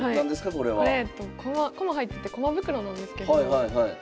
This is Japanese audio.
これ駒入ってて駒袋なんですけど。